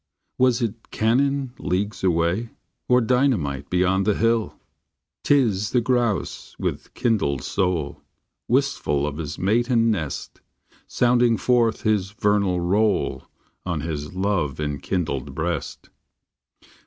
Was it cannon leagues away ? Or dynamite beyond the hill? T is the grouse with kindled soul, Wistful of his mate and nest, Sounding forth his vernal roll On his love enkindled breast.